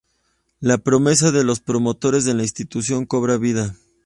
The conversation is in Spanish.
La promesa de los promotores de la Institución, cobra vida.